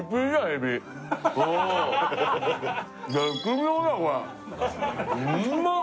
絶妙だこれうまっ！